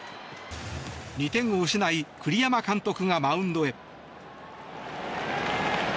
２点を失い栗山監督がマウンドへ。